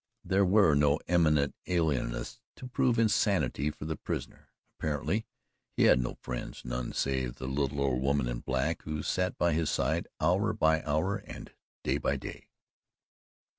There were no eminent Alienists to prove insanity for the prisoner. Apparently, he had no friends none save the little old woman in black who sat by his side, hour by hour and day by day.